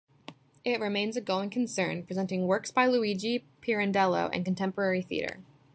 It remains a going concern, presenting works by Luigi Pirandello and contemporary theater.